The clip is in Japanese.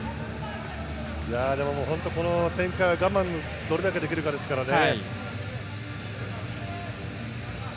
本当にこの展開は我慢をどれだけできるかですからね。